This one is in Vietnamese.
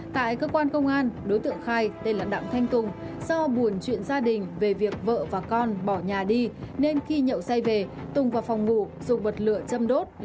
tại cơ quan công an đối tượng khai tên là đạm thanh tùng do buồn chuyện gia đình về việc vợ và con bỏ nhà đi nên khi nhậu say về tùng vào phòng ngủ dùng bật lửa chăm đốt